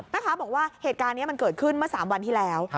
แม่ค้าบอกว่าเหตุการณ์นี้มันเกิดขึ้นเมื่อ๓วันที่แล้ว